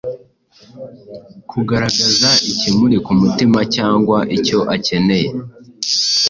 kugaragaza ikimuri ku mutima cyangwa icyo akeneye?”